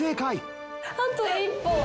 あと１歩。